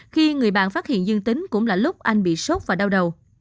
khi người bạn phát hiện dương tính cũng là lúc anh bị sốt và đau đầu